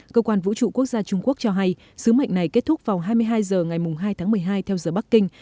cơ quan vũ trụ quốc gia trung quốc cho hay sứ mệnh này kết thúc vào hai mươi hai h ngày hai tháng một mươi hai theo giờ bắc kinh